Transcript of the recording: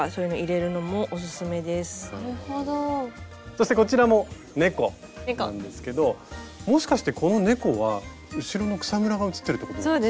そしてこちらも猫なんですけどもしかしてこの猫は後ろの草むらがうつってるってことなんですか？